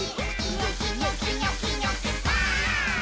「ニョキニョキニョキニョキバーン！」